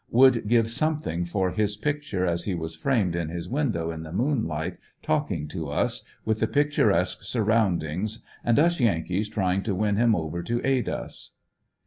Would give something for his picture as he was framed in his window in the moonlight talking to us, with the picturesque surroundings, and us yankees trying to win him over to aid us.